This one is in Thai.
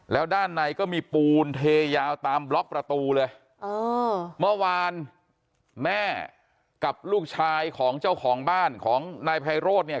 แล้วด้านในก็มีปูนเทยาวตามบล็อกประตูเลยเออเมื่อวานแม่กับลูกชายของเจ้าของบ้านของนายไพโรธเนี่ย